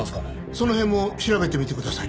その辺も調べてみてください。